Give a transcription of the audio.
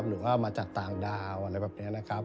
หรือว่ามาจากต่างดาวอะไรแบบนี้นะครับ